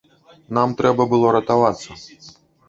Нам трэба было ратавацца.